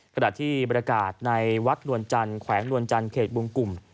กระดาษที่บริการในวัดหลวนจันทร์แขวงหลวนจันทร์เขตบุงกุม